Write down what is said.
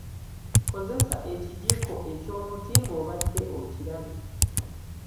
Kozesa ekijiiko eky'omuti ng'obadde okirabye.